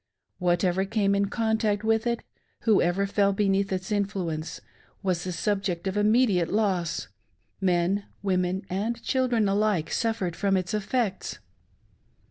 Whatever came in contact with it, whoever fell beneath its influence, was the subject of immediate loss ;— men, women, and children alike suffered from its effects.